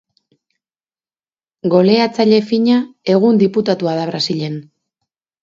Goleatzaile fina, egun diputatua da Brasilen.